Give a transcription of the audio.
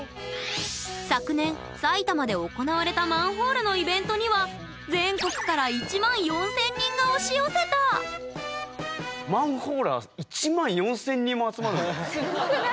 昨年埼玉で行われたマンホールのイベントには全国から１万４，０００人が押し寄せたすごくない？